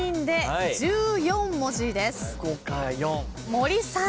森さん。